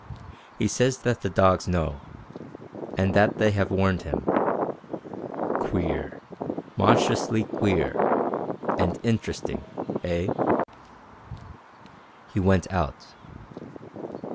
He says that the dogs know, and that they have warned him. Queer. Monstrously queer. And interesting. Eh?" He went out.